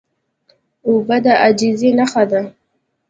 اوبه د عاجزۍ نښه ده.